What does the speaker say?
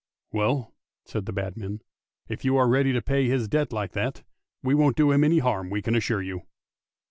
" Well," said the bad men, " if you are ready to pay his debt like that, we won't do him any harm, we can assure you!